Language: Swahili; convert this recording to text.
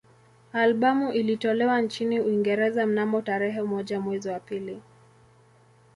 Albamu ilitolewa nchini Uingereza mnamo tarehe moja mwezi wa pili